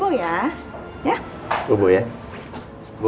ah enggak enggak enggak